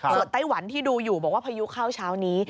ส่วนไต้หวันที่ดูอยู่บอกว่าพายุเข้าเช้านี้